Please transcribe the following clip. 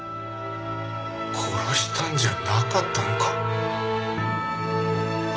殺したんじゃなかったのか。